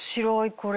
これ。